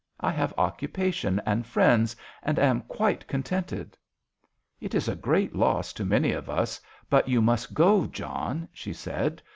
I have occupation and friends and am quite contented." " It is a great loss to many of us, but you must go, John," she said.